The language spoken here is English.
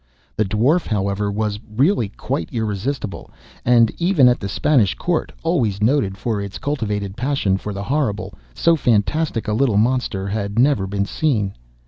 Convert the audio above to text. The Dwarf, however, was really quite irresistible, and even at the Spanish Court, always noted for its cultivated passion for the horrible, so fantastic a little monster had never been seen.